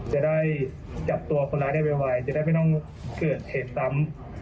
จะได้จับตัวคนร้ายได้ไวจะได้ไม่ต้องเกิดเหตุซ้ำ